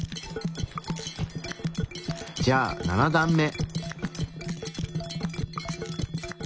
じゃあ７段目。